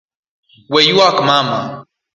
We yuak mama.